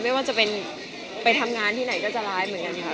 ไม่ว่าจะเป็นไปทำงานที่ไหนก็จะร้ายเหมือนกันค่ะ